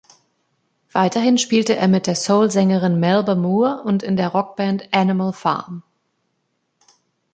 Weiterhin spielte er mit der Soul-Sängerin Melba Moore und in der Rockband "Animal Farm".